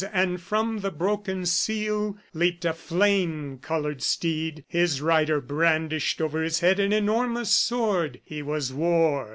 And from the broken seal leaped a flame colored steed. His rider brandished over his head an enormous sword. He was War.